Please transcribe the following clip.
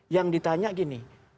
yang ditanya gini